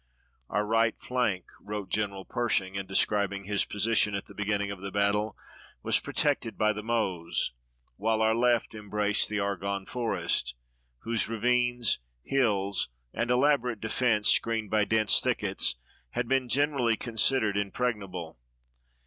"Our right flank," wrote General Pershing in describing his position at the beginning of the battle, "was protected by the Meuse, while our left embraced the Argonne Forest, whose ravines, hills, and elaborate defense screened by dense thickets, had been generally considered impregnable.